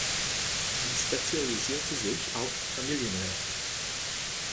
Sie spezialisierte sich auf Familienrecht.